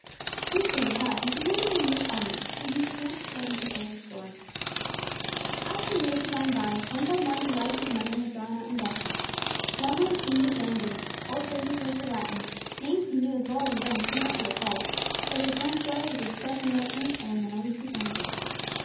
Pleased as a child, he saluted his new audience, and began to tell them his only story. As the years had gone by, one by one the lights of memory had gone out in darkness. Well known scenes had grown dim; old faces were forgotten; names he knew as well as his own, could not be recalled: but this one story was as fresh and real to him, as on the night he learned it.